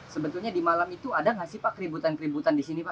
sebetulnya di malam itu ada nggak sih pak keributan keributan di sini pak